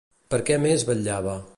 Per què més vetllava?